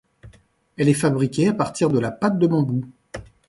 Elle est fabriquée à partir de la pâte de bambou.